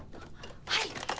はい！